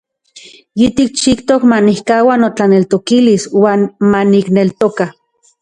Yitikchijtok manikkaua notlaneltokilis uan manikneltoka.